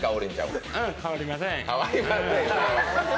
うん、変わりません。